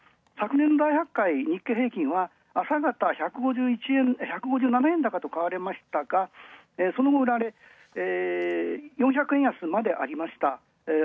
昨年の大発会日経平均は、朝方、１５７円高と買われましたがその後、売られ、４００円安まで。